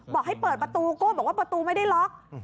บอกให้เปิดประตูโก้บอกว่าประตูไม่ได้ล็อก